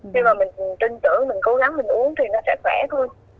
nhưng mà mình tin tưởng mình cố gắng mình uống thì nó sẽ vẽ thôi